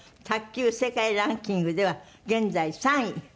卓球世界ランキングでは現在３位。